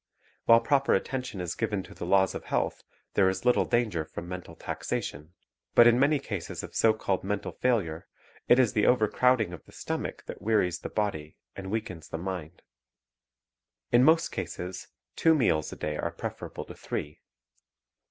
While proper attention is given to the laws of health, there is little danger from mental taxation; but in many cases of so called mental failure, it is the overcrowding of the stomach that wearies the body and weakens the mind. In most cases, two meals a day are preferable to three.